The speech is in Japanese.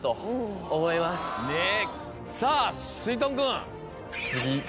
さぁすいとん君。